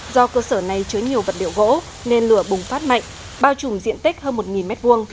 do cơ sở này chứa nhiều vật liệu gỗ nên lửa bùng phát mạnh bao trùm diện tích hơn một m hai